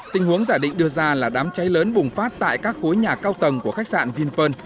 tình huống giả định đưa ra là đám cháy lớn bùng phát tại các khối nhà cao tầng của khách sạn vinpearl